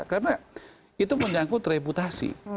karena itu menyangkut reputasi